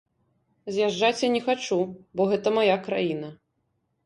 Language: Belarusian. З'язджаць я не хачу, бо гэта мая краіна.